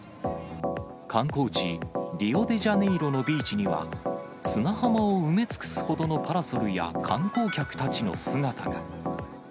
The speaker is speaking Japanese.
観光地、リオデジャネイロのビーチには、砂浜を埋め尽くすほどのパラソルや観光客たちの姿が。